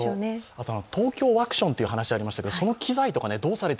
あとＴＯＫＹＯワクションという話がありましたが、その機材どうされて